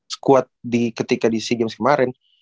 squad ketika di sea games kemarin